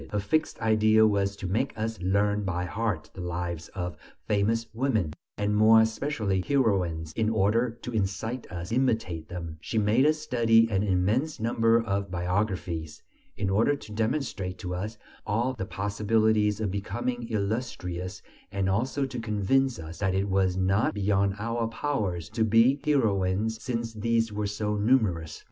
Her fixed idea was to make us learn by heart the lives of famous women, and more especially "heroines," in order to incite us to imitate them; she made us study an immense number of biographies; in order to demonstrate to us all the possibilities of becoming illustrious and also to convince us that it was not beyond our powers to be heroines, since these were so numerous.